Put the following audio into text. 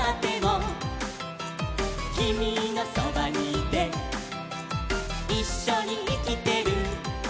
「きみのそばにいていっしょにいきてる」